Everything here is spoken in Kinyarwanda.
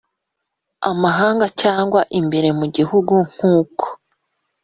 mahanga cyangwa imbere mu Gihugu nk uko